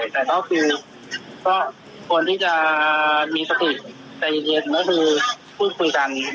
แต่ต้องคือก็คนที่จะมีสติดใจเย็นเย็นก็คือคุยคุยกันมากกว่า